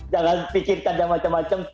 jangan pikirkan yang macam macam